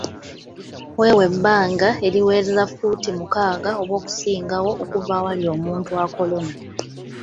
Weewe ebbanga eriweza ffuuti mukaaga oba okusingawo okuva awali omuntu akolona.